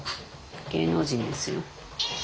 芸能人ですよ。